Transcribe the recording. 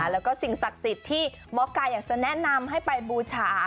แล้วก็สิ่งศักดิ์สิทธิ์ที่หมอกายอยากจะแนะนำให้ไปบูชา